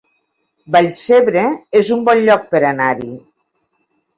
Vallcebre es un bon lloc per anar-hi